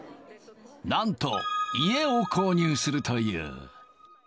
なんと、家を購入するという。